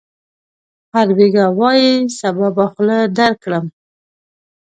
هر بېګا وايي: صبا به خوله درکړم.